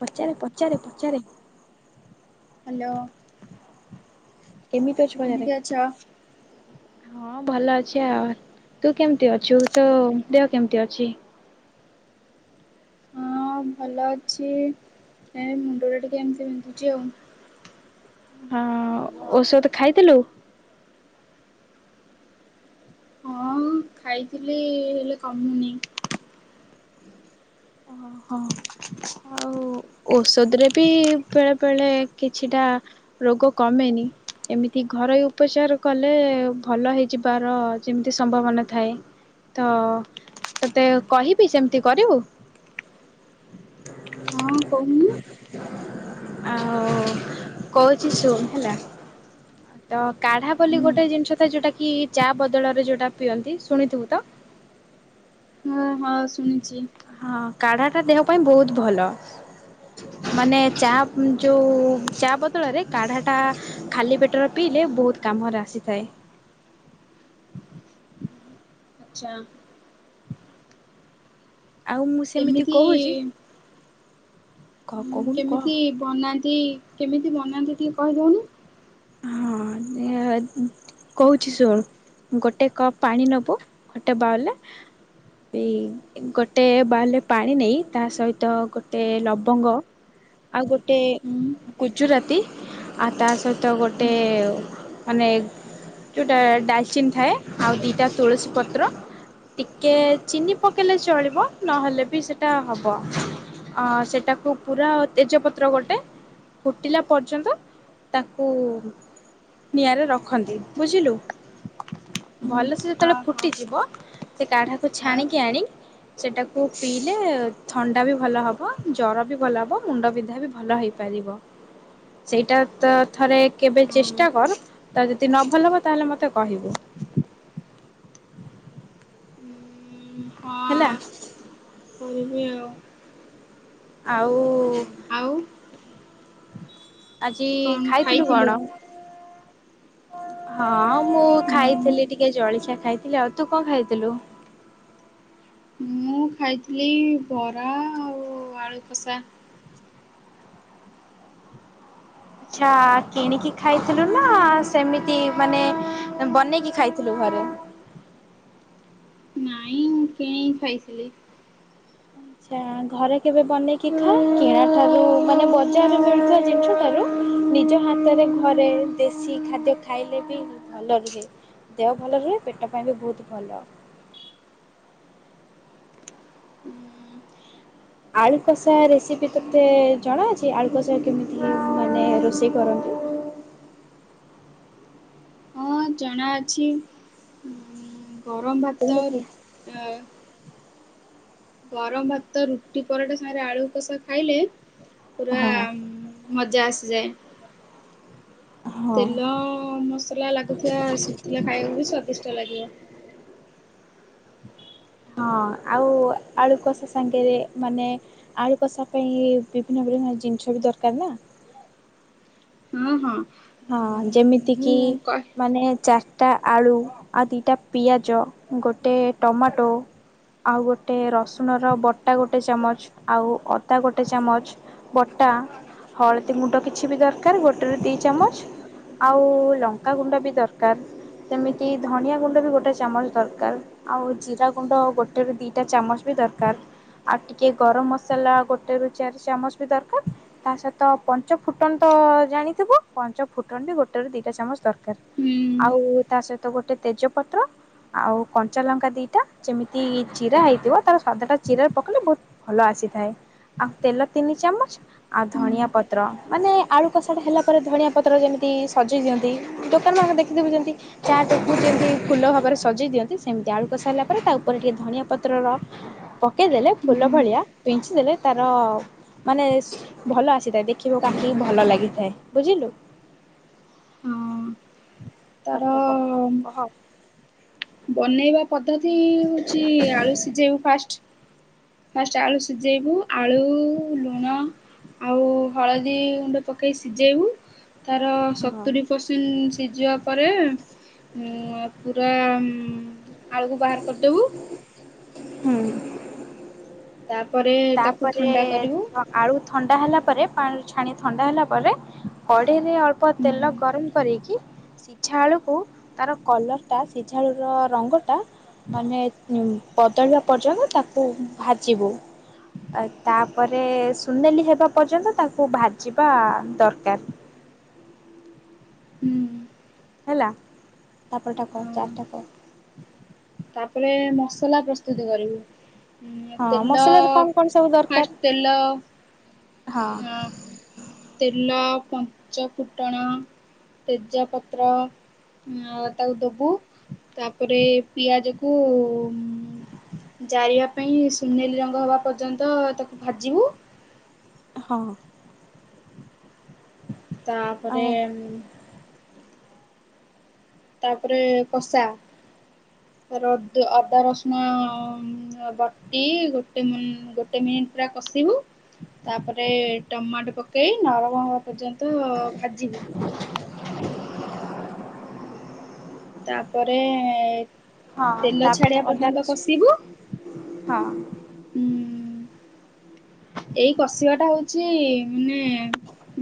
ପଚାରେ ପଚାରେ ପଚାରେ? ହ୍ୟାଲୋ। ଏମିତି ଅଛୁ ବାହାରେ କେମିତି ଅଛ? [unintelligible] ହଁ ଭଲ ଅଛି ଆଉ ତୁ କେମତି ଅଛୁ ତୋ ଦେହ କେମିତି ଅଛି? ହଁ ଭଲ ଅଛି ମୁଣ୍ଡଟା ଟିକେ ଏମିତି ବିନ୍ଧୁଛି ଆଉ। ହଁ ଔଷଧ ଖାଇଥିଲୁ? ହଁ ଖାଇଥିଲି ହେଲେ କମୁନି। [inaudible] [inaudible] ଔଷଧ ରେ ବି ବେଳେ ବେଳେ କିଛିଟା ରୋଗ କମେନି। ଏମିତି ଘରୋଇ ଉପଚାର କଲେ ଭଲ ହେଇଯିବାର ଯେମିତି ସମ୍ଭାବନା ଥାଏ। ତ ତୋତେ କହିବି ସେମିତି କରିବୁ? [unintelligible] ଆଉ କହୁଛି ଶୁଣୁ ହେଲା। ତ କାଢା ବୋଲି ହୁଁ ଗୋଟେ ଜିନିଷ ତ ଯୋଉଟା କି ଚା ବଦଳରେ ଯୋଉଟା ପିଅନ୍ତି ଶୁଣିଥିବୁ ତ। ହଁ ହଁ ଶୁଣିଛି। ହଁ କାଢା ଟା ଦେହ ପାଇଁ ବହୁତ ଭଲ। ମାନେ ଚା ଯୋଉ ଚା ବଦଳରେ କାଢା ଟା ଖାଲି ପେଟରେ ପିଇଲେ ବହୁତ କାମରେ ଆସିଥାଏ। ଆଛା ଆଉ ମୁଁ ସେମିତି କେମିତି କହୁଛି କହ ଉଁ କହୁନୁ କହ। କେମିତି ବନାନ୍ତି କେମିତି ବନାନ୍ତି ଟିକି କହିଦେଉନି? ହଁ କହୁଛି ଶୁଣ ଗୋଟେ କପ୍ ପାଣି ନେବୁ ଗୋଟେ ବାଉଲେ [unintelligible] ଗୋଟେ ବାଲରେ ପାଣି ନେଇ ତା ସହିତ ଗୋଟେ ଲବଙ୍ଗ ଆଉ ଗୋଟେ ହୁଁ ଗୁଜୁରାତି ଆଉ ତା ସହିତ ତ ହୁଁ ଗୋଟେ ମାନେ ଯୋଉଟା ଡାଲଚିିନ ଥାଏ ଆଉ ଦିଟା ତୁଳସୀ ପତ୍ର ଟିକେ ଚିନି ପକେଇଲେ ଚଳିବ ନହେଲେ ବି ସେଇଟା ହବ। ଅ ସେଟାକୁ ପୁରା ତେଜପତ୍ର ଗୋଟେ ଫୁଟିଲା ପର୍ଯ୍ୟନ୍ତ କୁ ନିଆଁରେ ରଖନ୍ତି ବୁଝିଲୁ ହୁଁ ଭଲ ସେ ଯେତେବେଳେ ହଁ ହଁ ଫୁଟିଯିବ ସେ କାଢାକୁ ହଁ ଛାଣିକି ଆଣି ସେଇଟାକୁ ପିଇଲେ ଥଣ୍ଡା ବି ଭଲ ହବ ଜର ବି ଭଲ ହେବ ମୁଣ୍ଡବିନ୍ଧା ବି ଭଲ ହେଇ ପାରିବ ସେଇଟା ତା ଥରେ କେବେ ହଁ। ଚେଷ୍ଟା କର୍ ତା ଯଦି ନ ଭଲ ହବ ତାହେଲେ ମତେ କହିବୁ। ହଁ। ହେଲା। କରିବି ଆଉ। ଆଉ ଉ ଆଉ। ଆଜି ଖାଇଥିଲୁ କଣ? ହଁ ମୁଁ ଖାଇଥିଲି ଟିକେ ଜଳିଖିଆ ଖାଇଥିଲି ଆଉ ତୁ କଣ ଖାଇଥିଲୁ? ମୁଁ ଖାଇଥିଲି ବରା ଆଉ ଆଳୁକଷା। ଆଛା କିଣିକି ଖାଇଥିଲୁ ନା ସେମିତି ମାନେ ବନେଇକି ଖାଇଥିଲୁ ଘରେ? ମୁଁ କିଣିକି ଖାଇଥିଲି। ଆଛା ଘରେ କେବେ ବନେଇକି ଖା କିଣା ଠାରୁ ମାନେ ବଜାରରେ ମିଳଥିବା ଜିନିଷ ଠାରୁ ନିଜ ହାତରେ ଘରେ ଦେଶୀ ଖାଦ୍ୟ ଖାଇଲେ ବି ଭଲ ରୁହେ। ଦେହ ଭଲ ରୁହେ ପେଟ ପାଇଁ ବି ବହୁତ ଭଲ। ଆଳୁକଷା ରେସିପି ତୋତେ ଜଣାଅଛି ଆଳୁକଷା କେମିତି ମାନେ ରୋଷେଇ କରନ୍ତି? ହଁ ଜଣାଅଛି ଉଁ ଗରମ କହୁନୁ ଭାତ କହ। ରୁ ଅ ଗରମ ଭାତ ରୁଟି ପରଟା ସାଙ୍ଗରେ ଆଳୁ କଷା ଖାଇଲେ ପୁରା ହଁ ଉଁ ମଜା ଆସିଯାଏ। ହଁ ତେଲ ମସଲା ଲାଗୁଥିବା ଶୁଖିଲା ଖାଇବୁ ବି ସ୍ଵାଦିଷ୍ଟ ଲାଗିବ। ହଁ ଆଉ ଆଳୁ କଷା ସାଙ୍ଗରେ ମାନେ ଆଳୁ କଷା ପାଇଁ ବିଭିନ୍ନ ବିଭିନ୍ନ ଜିନିଷ ବି ଦରକାର ନା? ହୁଁ ହୁଁ। ହଁ ଯେମିତି କିି ମାନେ ଚାର୍ ଚାରିଟା ଆଳୁ ଆଉ ଦିଇଟା ପିଆଜ ଗୋଟେ ଟମାଟୋ ଆଉ ଗୋଟେ ରସୁଣର ବଟା ଗୋଟେ ଚାମଚ୍ ଆଉ ଅଦା ଗୋଟେ ଚାମଚ୍ ବଟା ହଳଦୀ ଗୁଣ୍ଡ କିଛି ବି ଦରକାର୍ ଗୋଟେରେ ଦୁଇ ଚାମଚ୍ ଚ୍ଛା ଆଉ ଲଙ୍କାଗୁଣ୍ଡ ବି ଦରକାର। ସେମିତି ଧନିଆ ଗୁଣ୍ଡ ରୁ ଗୋଟେ ଚାମଚ ଦରକାର୍। ଆଉ ଜିରା ଗୁଣ୍ଡ ଗୋଟେରୁ ଦୁଇଟା ଚାମଚ ବି ଦରକାର। ଆଉ ଟିକେ ଗରମ ମସଲା ଗୋଟେ ରୁ ଚାରି ଚାମଚ ବି ଦରକାର୍। ତା ସହିତ ପଞ୍ଚ ଫୁଟନ ତ ଜାଣିଥିବୁ? ପଞ୍ଚ ଫୁଟଣ ବି ଗୋଟେ ରୁ ଦିଟା ଚାମଚ ଦରକାର ହୁଁ ଆଉ ତା ସହିତ ଗୋଟେ ତେଜପତ୍ର ଆଉ କଞ୍ଚା ଲଙ୍କା ଦିଟା ଯେମିତି ଚିରା ହେଇଥିବ ତାର ସ୍ଵାଦଟା ଚିରା ପକେଇଲେ ବହୁତ ଭଲ ଆସିଥାଏ ଆଉ ତେଲ ତିନି ଚାମଚ ଆଉ ହୁଁ ଧଣିଆ ପତ୍ର ମାନେ ଆଳୁ କଷାଟା ହେଲା ପରେ ଧଣିଆ ପତ୍ର ଯେମିତି ସଜେଇ ଦିଅନ୍ତି ଦୋକାନ୍ ମାନଙ୍କରେ ଦେଖିଥିବୁ ଯେମିତି ଚାଟ୍ କୁ ଯେମିତି ଫୁଲ ଭାବରେ ସଜେଇ ଦିଅନ୍ ସେମିତି ଆଳୁକଷା ହେଲା ପରେ ତା ଉପରେ ଟିକେ ଧନିଆ ପତ୍ରର ପକେଇଦେଲେ ହୁଁ ଫୁଲ ଭଳିଆ ବିଞ୍ଚି ଦେଲେ ତାର ମାନେ ଭଲ ଆସିଥାଏ ଦେଖିବାକୁ ଆଖିକି ଭଲ ଲାଗିଥାଏ। ବୁଝିଲୁ? ହୁଁ ତାର ତାପରେ କହ କହ ବନେଇବା ପଦ୍ଧତି ହୋଉଛି ଆଳୁ ସିଝେଇବୁ ଫାଷ୍ଟ ଫାଷ୍ଟ ଆଳୁ ସିଝେଇବୁ ଆଳୁ ଲୁଣ ଆଉ ହଳଦୀ ଗୁଣ୍ଡ ପକେଇ ସିଝେଇବୁ ତାର ହଁ। ସତୁରୀ ପରସେଣ୍ଟ ସିଝିବା ପରେ ଉଁ ପୁରା ଉଁ ହୁଁ ଆଳୁକୁ ବାହାର କରିଦବୁ। ହୁଁ ତାପରେ ତାକୁ ତାପରେ ଥଣ୍ଡା କରିବୁ କ ଆଳୁ ଥଣ୍ଡା ହେଲା ପରେ ପାଣିରୁ ଛାଣି ଥଣ୍ଡା ହେଲା ପରେ କଢ଼େଇରେ ଅଳ୍ପ ତେଲ ଗରମ କରିକି ସିଝା ଆଳୁକୁ ତାର କଲର୍ଟା ସିଝା ଆଳୁର ରଙ୍ଗଟା ମାନେ ଅ ପ ବଦଳିବା ପର୍ଯ୍ୟନ୍ତ ତାକୁ ଭାଜିବୁ। ଆଉ ତାପରେ ସୁନେଲି ହେବା ପର୍ଯ୍ୟନ୍ତ ତାକୁ ଭାଜିବା ଦରକାର। ହେଲା ତାପର ଟା କ ଚାର୍ଟା କ ତାପରେ ମସଲା ପ୍ରସ୍ତୁତ କରିବୁ। ହୁଁ ହଁ ତେଲ ମସଲାରେ କଣ କଣ ସବୁ ଦରକାର? ଫାଷ୍ଟ ତେଲ ହଁ। ଅଁ, ତେଲ, ପଞ୍ଚ ଫୁଟଣ। ତେଜ ପତ୍ର। ଅ, ତାକୁ ଦବୁ ତାପରେ ପିଆଜକୁ ଉଁ, ଜାରିବା ପାଇଁ ସୁନେଲି ରଙ୍ଗ ହବା ପର୍ଯ୍ୟନ୍ତ ତାକୁ ଭାଜିବୁ। ହଁ। ତାପରେ ଉଁ, ତାପରେ କଷା ତାରେ ଅଦ ଅଦା ରସୁଣ ଉଁ, ଅ, ବଟି ଗୋଟେ ମି- ଗୋଟେ ମିଣ୍ଟ୍ ପୁରା କଷିବୁ। ତାପରେ ଟମାଟ ପକେଇ ନରମ ହବା ପର୍ଯ୍ୟନ୍ତ ଭାଜିବୁ। [inaudible] ତାପରେ ହଁ ତେଲ ତାପରେ ଛାଡ଼ିବା ଅଦା ପର୍ଯ୍ୟନ୍ତ ଛୁ- କଷିବୁ ହଁ ଉଁ ଏଇ କଷିବା ଟା ହଉଛି ମାନେ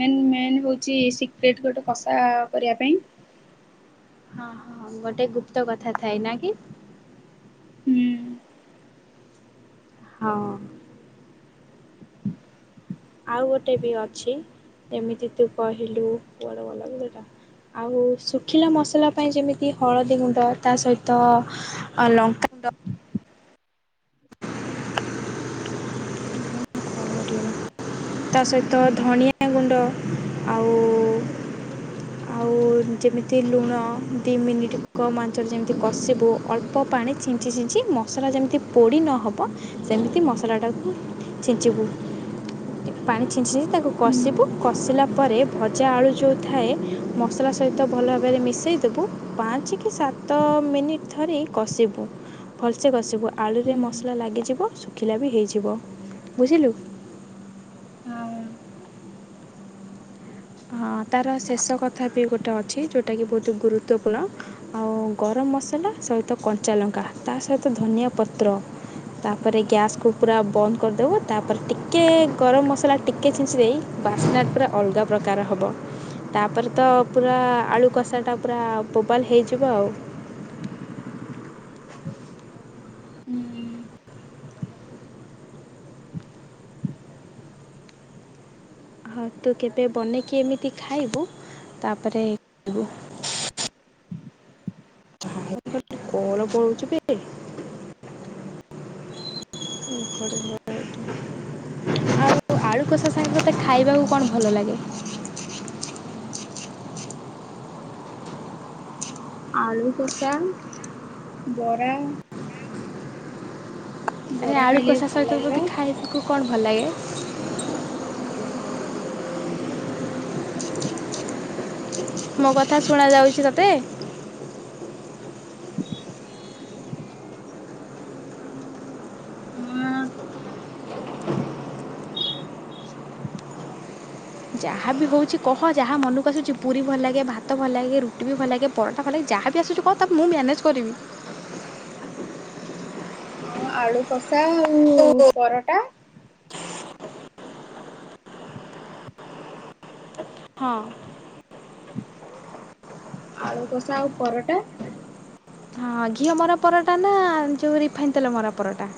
ମେନ୍ ମେନ୍ ହଉଛି ସିକ୍ରେଟ୍ ଗୋଟେ କଷା କରିବା ପାଇଁ। ହଁ, ହଁ ଗୋଟେ ଗୁପ୍ତ କଥା ଥାଏ ନା କି? ହୁଁ। ହଁ। [inaudible] ଆଉ ଗୋଟେ ବି ଅଛି, ଯେମିତି ତୁ କହିଲୁ କୁଆଡ଼େ ଗଲା ବେ ସେଟା। ଆଉ ଶୁଖିଲା ମସଲା ପାଇଁ ଯେମିତି ହଳଦୀ ଗୁଣ୍ଡ ତା ସହିତ ଅ, ଲଙ୍କା ଗୁଣ୍ଡ ତା ସହିତ ଧଣିଆ ଆ, ଗୁଣ୍ଡ ଆଉ ଆଉ ଯେମିତି ଲୁଣ, ଦି ମିନିଟ କମ୍ ଆଞ୍ଚରେ ଯେମିତି କଷିବୁ ଅଳ୍ ତ ପାଣି ଛିଞ୍ଚି ଛିଞ୍ଚି ମସଲା ଯେମିତି ପୋଡ଼ି ନ ହବ ସେମିତି ମସଲାଟାକୁ ଛିଞ୍ଚିବୁ। ଟିକେ ପାଣି ଛିଞ୍ଚ ଛିଞ୍ଚି ତାକୁ ହୁଁ କଷିବୁ, କଷିଲା ପରେ ଭଜା ଆଳୁ ଯୋଉ ଥାଏ। ମସଲା ସହିତ ଭଲ ଭାବରେ ମିଶେଇ ଦେବୁ, ପାଞ୍ଚ କି ସାତ ମିନିଟ୍ ଧରି କଷିବୁ। ଭଲସେ କଷିବୁ, ଆଳୁରେ ହୁଁ ମସଲା ଲାଗିଯିବ ଶୁଖିଲା ବି ହେଇଯିବ ବୁଝିଲୁ। ଆଉ ହଁ ତାର ଶେଷ କଥା ବି ଗୋଟେ ଅଛି, ଯୋଉଟା କିି ବହୁତ ଗୁରୁତ୍ୱପୂର୍ଣ୍ଣ। ଆଉ ଗରମ ମସଲା ସହିତ କଞ୍ଚାଲଙ୍କା ତା ସହିତ ଧନିଆ ପତ୍ର। ତାପରେ ଗ୍ୟାସ୍ କୁ ପୁରା ବନ୍ଦ କରିଦବୁ, ତାପରେ ଟିକିଏ ଗରମ ମସଲା ଟିକିଏ ଛିଞ୍ଚି ଦେଇ ବାସ୍ନା ପୁରା ଅଲଗା ପ ପ୍ରକାର ହବ, ତାପରେ ତ ପୁରା ଆଳୁ କଷାଟା ପୁରା ବୋବାଲ୍ ହେଇଯିବ ଆଉ। ହୁଁ। ହଁ ତୁ କେବେ ବନେଇକି ଏମିତି ଖାଇବୁ ତାପରେ [inaudible] ଇବୁ। [inaudible] କଣ କହୁଛୁ କି? [unintelligible] ଆଉ ଆଳୁ କଷା ସାଙ୍ଗେ ତୋତେ ଖାଇବାକୁ କଣ ଭଲ ଲାଗେ? ଆଳୁ କଷା ବରା ଆରେ ବରା ଆଳୁ ଖାଇଲେ ବି କଷା ଭଲ ସହିତ ଲାଗିବ ତୋତେ ଖାଇବାକୁ କଣ ଭଲ ଲାଗେ? ମୋ କଥା ଶୁଣ ଯାଉଛି ତୋତେ? ହଁ ଯାହାବି ହଉଛି କହ, ଯାହା ମନକୁ ଆସୁଛି, ପୁରୀ ଭଲ ଲାଗେ, ଭାତ ଭଲ ଲାଗେ, ରୁଟି ବି ଭଲ ଲାଗେ। ପରଟା ଭଲ ଲାଗେ, ଯାହା ବି ଆସୁଛି କହ ତ ମୁଁ ମ୍ୟାନେଜ୍ କରିିବି। ହଁ ଆଳୁ କଷା ଆଉ ପରଟା। ହଁ। ଆଳୁ କଷା ଆଉ ପରଟା। ହଁ ଘିଅ ମରା ପରଟା ନା ଯେଉଁ ରିଫାଇନ୍ ତେଲ ମରା ପରଟା?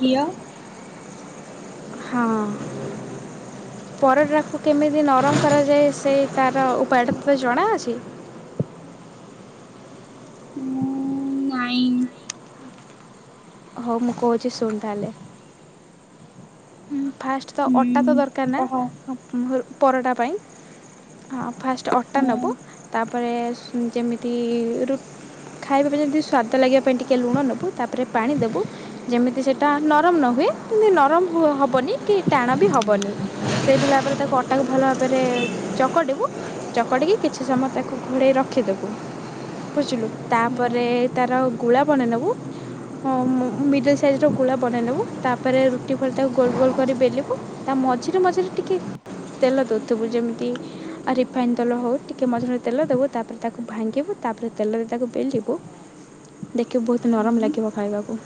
ଘିଅ। ହଁ। ପରଟାକୁ କେମିତି ନରମ କରାଯାଏ ସେଇ ତାର ଉପାୟଟା ତୋତେ ଜଣାଅଛି। ଉଁ ନାଇଁ ହଉ ମୁଁ କହୁଛି ଶୁଣ୍ ତାହେଲେ। ଫାଷ୍ଟ ତ ଅଟା ତ ଦରକାର ହୁଁ ନା କହ ପରଟା ପାଇଁ। ହଁ ଫାଷ୍ଟ ଅଟା ହଁ ନେବୁ ତାପରେ ଯେମିତି ରୁଟି ଖାଇବା ପାଇଁ ଯେମିତି ସ୍ଵାଦ ଲାଗିବା ପାଇଁ ଟିକେ ଲୁଣ ନେବୁ ତାପରେ ପାଣି ଦେବୁ ଯେମିତି ସେଟା ନରମ ନ ହୁଏ ଏମିତି ନରମ ହେବନି କି ଟାଣ ବି ହେବନି ସେଭଳି ଭାବରେ ତାକୁ ଅଟାକୁ ଭଲ ଭାବରେ ଚକଟିବୁ। ଚକଟିକି କିଛି ସମୟ ତାକୁ ଘୋଡ଼େଇ ରଖିଦେବୁ। ବୁଝିଲୁ ହଁ ତାପରେ ତାର ଗୁଳା ବନେଇ ନବୁ। ହଁ ମିଡିଲ ସାଇଜ ର ଗୁଳା ବନେଇ ନବୁ ତାପରେ ତାକୁ ଗୋଲ ଗୋଲ କରି ବେଲିବୁ ତା ମଝିରେ ମଝିରେ ଟିକେ ତେଲ ଦଉଥିବୁ ଯେମିତି ରିଫାଇନ ତେଲ ହଉ ଟିକେ ମଝିରେ ମଝିରେ ତେଲ ଦେବୁ ତା ତାକୁ ଭାଙ୍ଗିବୁ ତାପରେ ତେଲରେ ତାକୁ ବେଲିବୁ ଦେଖିବୁ ବହୁତ ନରମ ହଁ ଲାଗିବ ଖାଇବାକୁ।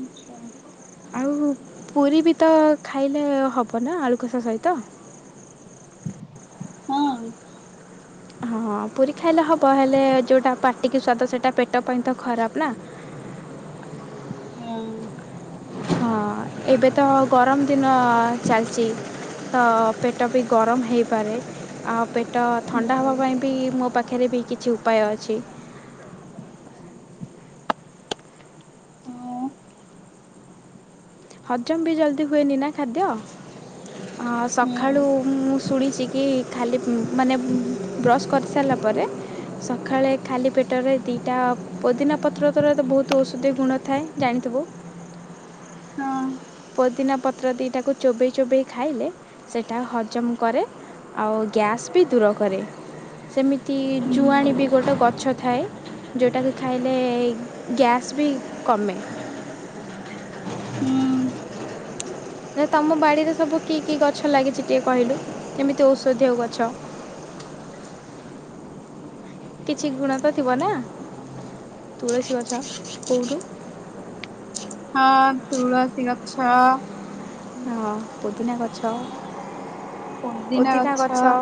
ଆଛା। ଆଉ ପୁରୀ ବି ତ ଖାଇଲେ ହବ ନା ଆଳୁକଷା ସହିତ। ହଁ। ହଁ ପୁରୀ ଖାଇଲେ ହବ ହେଲେ ଯୋଉଟା ପାଟିକି ସ୍ଵାଦ ସେଇଟା ପେଟ ପାଇଁ ତ ଖରାପ ନା। ହଁ। ହଁ ଏବେ ତ ଗରମ ଦିନ ଚାଲିଛି। ତ ପେଟ ବି ଗରମ ହେଇପାରେ। ଆଉ ପେଟ ଥଣ୍ଡା ହେବା ହୁଁ ପାଇଁ ବି ମୋ ପାଖରେ ବି କିଛି ଉପାୟ ଅଛି। ହଁ ହଜମ ବି ଜଲ୍ଦି ହୁଏନି ନା ଖାଦ୍ୟ। ହଁ ସକାଳୁ ମୁଁ ଶୁଣିଛି କି ଖାଲି ମାନେ ବ୍ରସ୍ କରିସାରିଲା ପରେ ସକାଳେ ଖାଲି ପେଟରେ ଦୁଇଟା ପୋଦିନା ପତ୍ର ଦ୍ୱାରା ତ ବହୁତ ଔଷଧୀୟ ଗୁଣ ଥାଏ ଜାଣିଥିବୁ। ପୋଦିନା ପତ୍ର ଦୁଇଟାକୁ ଚୋବେଇ ଚୋବେଇ ଖାଇଲେ ସେଇଟା ହଜମ କରେ। ଆଉ ଗ୍ୟାସ୍ ବି ଦୂର କରେ ସେମିତି ଜୁଆଣୀ ବି ତୁଳସୀ ଗୋଟେ ଗଛ ଥାଏ। ଯେଉଁଟାକି ଖାଇଲେ ଗ୍ୟାସ୍ ବି କମେ। ହୁଁ। ନା ତମ ବାଡ଼ିରେ ସବୁ କି କି ଗଛ ଲାଗିଛି ଟିକିଏ କହିଲୁ ଏମିତି ଔଷଧୀୟ ଗଛ କିଛି ଗୁଣ ତ ଥିବ ନା ତୁଳସୀ ଗଛ କୋଉଠୁ ହଁ ତୁଳସୀ ଗଛ। ହଁ ପୋଦିନା ଗଛ ପୋଦିନା ଗଛ।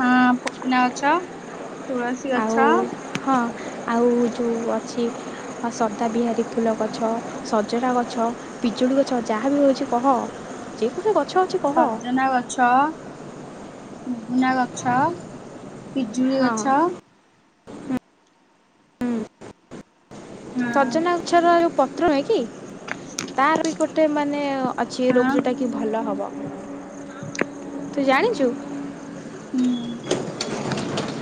ହଁ ପୋଦିନା ଗଛ, ତୁଳସୀ ଆଉ ଗଛ ହଁ ଆଉ ଯୋଉ ଅଛି ବା ସର୍ଦା ବିହାରୀ ଫୁଲ ଗଛ ସଜନା ଗଛ ପିଜୁଳି ଗଛ ଯାହା ବି ହଉଛି କହ ଗଛ ଅଛି କ ସଜନା ଗଛ ମୁଗୁନା ଗଛ, ପିଜୁଳି ଗଛ ହଁ ହଁ ସଜନା ଗଛର ଯୋଉ ପତ୍ର ନୁହେଁ କି। ତାର ବି ଗୋଟେ ମାନେ ଅଛି ରୋଗ ହଁ ଯେଉଟା କି ଭଲ ହବ। ତୁ ଜାଣିଚୁ? ହୁଁ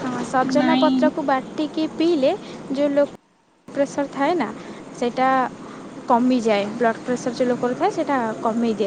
ହଁ ସଜନା ନାଇଁ ପତ୍ରକୁ ବାଟିକି ପିଇଲେ ଯେଉ ଲୋକ ପ୍ରେସର ଥାଏ ନା ସେଇଟା କମିଯାଏ। ବ୍ଲଡ଼୍ ପ୍ରେସର ଯୋଉ ଲୋକର ଥାଏ ସେଇଟା କମେଇ ଦିଏ।